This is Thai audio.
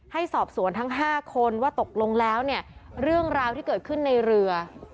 ให้สอบสวนทั้ง๕คนว่าตกลงแล้วเนี่ยเรื่องราวที่เกิดขึ้นในเรือ